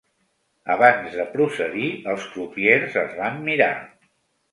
Abans de procedir, els crupiers es van mirar.